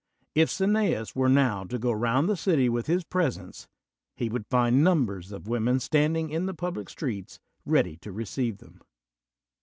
If Cineaf were now to go round the city with his presents he would find numbers of women standing in th public streets ready to receive them.